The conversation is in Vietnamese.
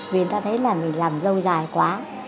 vì người ta thấy là mình làm lâu dài quá